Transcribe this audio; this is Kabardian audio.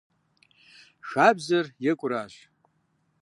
Хабзэр екӀуращ.